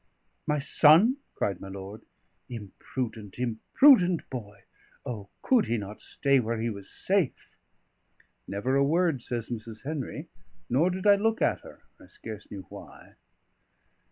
"My son?" cried my lord. "Imprudent, imprudent boy! O, could he not stay where he was safe!" Never a word says Mrs. Henry; nor did I look at her, I scarce knew why.